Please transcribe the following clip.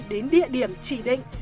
đến địa điểm chỉ định